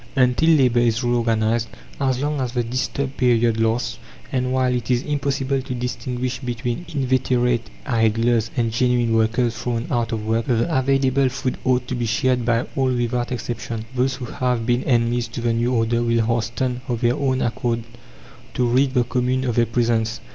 Until labour is reorganized, as long as the disturbed period lasts, and while it is impossible to distinguish between inveterate idlers and genuine workers thrown out of work, the available food ought to be shared by all without exception. Those who have been enemies to the new order will hasten of their own accord to rid the commune of their presence.